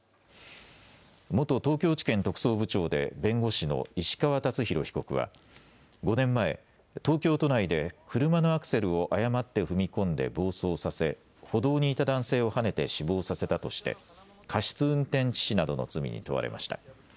元東京地検特捜部長で弁護士の石川達紘被告は５年前、東京都内で車のアクセルを誤って踏み込んで暴走させ歩道にいた男性をはねて死亡させたとして過失運転致死などの罪に問われました。